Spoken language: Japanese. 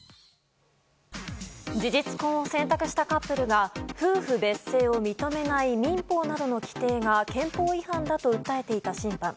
事実婚を選択したカップルが夫婦別姓を認めない民法などの規定が憲法違反だと訴えていた審判。